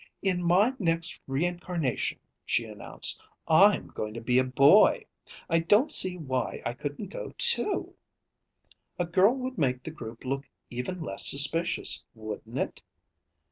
"In my next reincarnation," she announced, "I'm going to be a boy. I don't see why I couldn't go, too. A girl would make the group look even less suspicious, wouldn't it?"